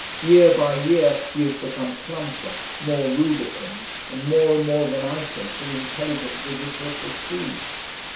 Year by year he has become plumper, more rubicund and more and more of an item for the intelligent visitor to see.